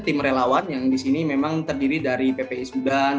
tim relawan yang di sini memang terdiri dari ppi sudan